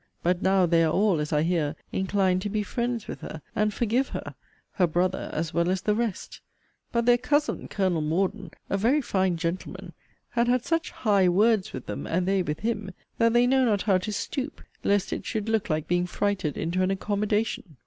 But now they are all (as I hear) inclined to be 'friends with her,' and 'forgive her'; her 'brother,' as well as 'the rest.' But their 'cousin,' Col. Morden, 'a very fine gentleman,' had had such 'high words' with them, and they with him, that they know not how to 'stoop,' lest it should look like being frighted into an 'accommodation.'